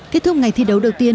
kết thúc ngày thi đấu đầu tiên